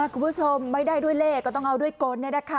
คุณผู้ชมไม่ได้ด้วยเลขก็ต้องเอาด้วยกล